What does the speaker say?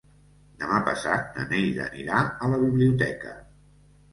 Demà passat na Neida anirà a la biblioteca.